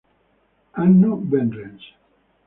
Hanno Behrens